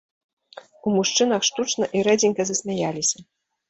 У мужчынах штучна і рэдзенька засмяяліся.